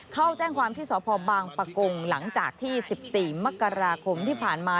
เข้าแจ้งความที่สพบางปะกงหลังจากที่๑๔มกราคมที่ผ่านมา